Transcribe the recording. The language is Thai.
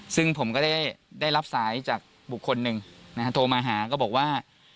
ซึ่งผมก็ได้รับสายจากบุคคลหนึ่งนะฮะโทรมาหาก็บอกว่า